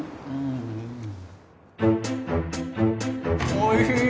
おいしい